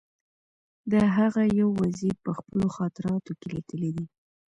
د هغه یو وزیر په خپلو خاطراتو کې لیکلي دي.